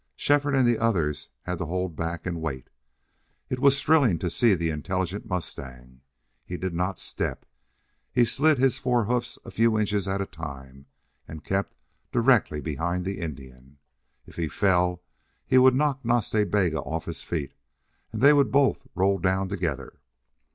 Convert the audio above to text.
Shefford and the others had to hold back and wait. It was thrilling to see the intelligent mustang. He did not step. He slid his fore hoofs a few inches at a time and kept directly behind the Indian. If he fell he would knock Nas Ta Bega off his feet and they would both roll down together.